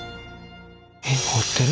えっ彫ってる？